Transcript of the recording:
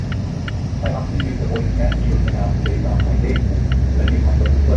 I often use a voice command to move the mouse based on my gaze point, then use my foot to click.